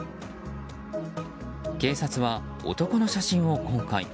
警察は男の写真を公開。